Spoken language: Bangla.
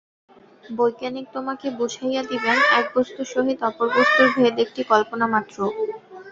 বৈজ্ঞানিক তোমাকে বুঝাইয়া দিবেন, এক বস্তুর সহিত অপর বস্তুর ভেদ একটি কল্পনা মাত্র।